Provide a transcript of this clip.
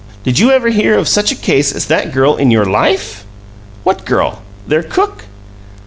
Did you ever hear of such a case as that girl in your LIFE?" "What girl? Their cook?"